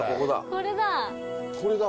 これだ。